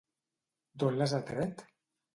D'on les ha tret?